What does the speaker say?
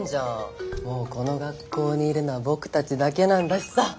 もうこの学校にいるのはボクたちだけなんだしさ。